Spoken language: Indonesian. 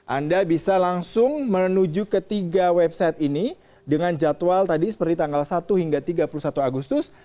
anda bisa langsung menuju ke tiga website ini dengan jadwal tadi seperti tanggal satu hingga tiga puluh satu agustus